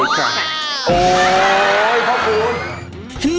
โอ๊ยขอบคุณ